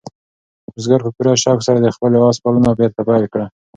بزګر په پوره شوق سره د خپل آس پالنه بېرته پیل کړه.